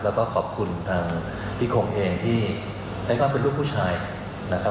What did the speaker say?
แล้วก็ขอบคุณพี่คงเองที่เรียกว่าเป็นลูกผู้ชายนะครับ